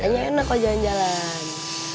hanya enak kalau jalan jalan